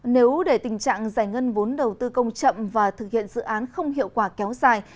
nếu để tình trạng giải ngân vốn đầu tư công chậm và thực hiện dự án không hiệu quả kéo dài